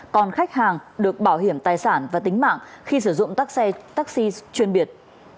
còn khách hàng được bảo hiểm tài sản và tính mạng khi sử dụng các xe taxi chuyên biệt